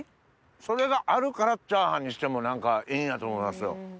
それがあるからチャーハンにしても何かええんやと思いますよ。